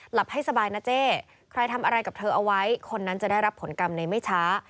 หลับให้สบายนะเจ๊ใครทำอะไรกับเธอเอาไว้คนนั้นจะได้รับผลกรรมในไม่ช้า